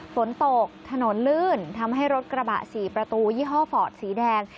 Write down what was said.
ฝนตกถนนลื่นทำให้รถกระบะ๔ประตูยี่ห้อฟอร์ดสีแดง